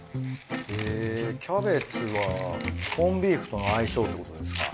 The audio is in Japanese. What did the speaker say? へぇキャベツはコンビーフとの相性ってことですか？